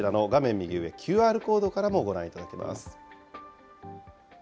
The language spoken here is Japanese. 右上、ＱＲコードからもご覧いただけます。